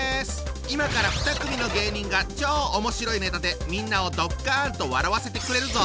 今から２組の芸人が超おもしろいネタでみんなをドッカンと笑わせてくれるぞ！